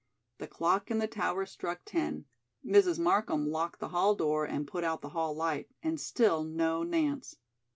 The clock in the tower struck ten. Mrs. Markham locked the hall door and put out the hall light, and still no Nance.